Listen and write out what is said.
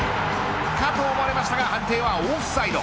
かと思われましたが判定はオフサイド。